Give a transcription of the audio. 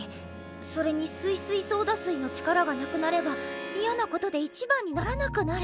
それにすいすいソーダ水の力がなくなればイヤなことで一番にならなくなる。